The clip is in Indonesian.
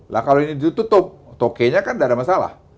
nah kalau ini ditutup tokainya kan tidak ada masalah